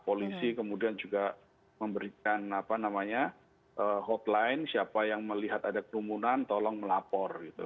polisi kemudian juga memberikan hotline siapa yang melihat ada kerumunan tolong melapor gitu